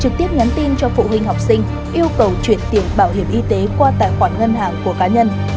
người học sinh yêu cầu chuyển tiền bảo hiểm y tế qua tài khoản ngân hàng của cá nhân